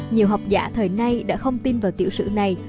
nhiều học giả thời nay đã không tin vào tiểu sử này